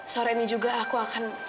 sore ini juga aku akan